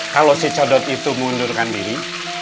kalau si codot itu mengundurkan diri